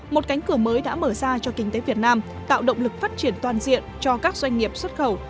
một cánh cửa mới đã mở ra cho kinh tế việt nam tạo động lực phát triển toàn diện cho các doanh nghiệp xuất khẩu